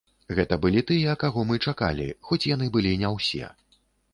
Гэта былі тыя, каго мы чакалі, хоць яны былі не ўсе.